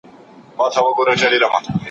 که ټولنه ونه لولي، نو ليکوالان به نه وي.